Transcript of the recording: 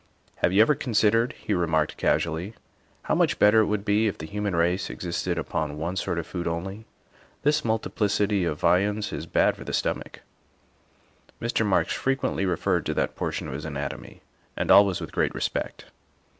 " Have you ever considered," he remarked casually, '' how much better it would be if the human race existed upon one sort of food only ? This multiplicity of viands is bad for the stomach. '' Mr. Marks frequently referred to that portion of his anatomy, and always with great respect.